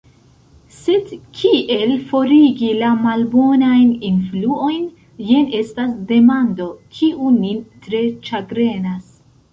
Sed kiel forigi la malbonajn influojn, jen estas demando, kiu nin tre ĉagrenas